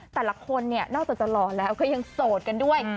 แต่ละคนเนี่ยนอกจากจะหล่อแล้วก็ยังโสดกันด้วย